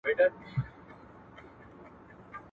ایا د کتابتون څېړنه د ټولو مسایلو لپاره کافي ده؟